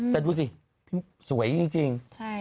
แต่ดูสิสวยจริง